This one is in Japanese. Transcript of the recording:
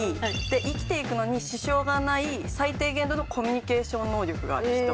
生きていくのに支障がない最低限度のコミュニケーション能力がある人。